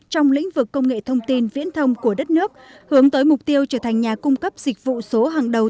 trong lĩnh vực công nghệ thông tin viễn thông của đất nước hướng tới mục tiêu trở thành nhà cung cấp dịch vụ số hàng đầu